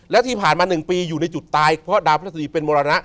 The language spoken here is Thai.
และที่ผ่านมา๑ปีอยู่ในจุดตายเพราะดาวพระศรีเป็นมรณะ